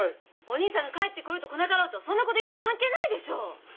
お義兄さんが帰ってこようとこなかろうとそんなこと今関係ないでしょう！